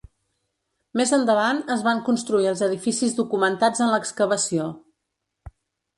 Més endavant es van construir els edificis documentats en l'excavació.